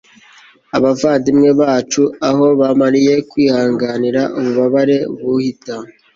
abavandimwe bacu aho bamariye kwihanganira ububabare buhita